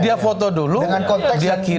dia foto dulu dia kirim